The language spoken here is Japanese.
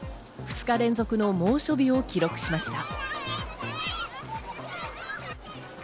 ２日連続の猛暑日を記録しました。